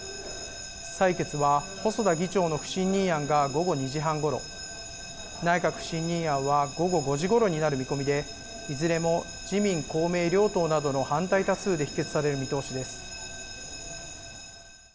採決は細田議長の不信任案が午後２時半ごろ、内閣不信任案は午後５時ごろになる見込みでいずれも自民公明両党などの反対多数で否決される見通しです。